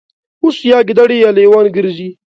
اوس یا ګیدړې یا لېوان ګرځي